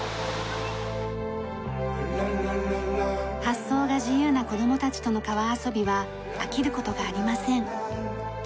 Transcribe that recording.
発想が自由な子どもたちとの川遊びは飽きる事がありません。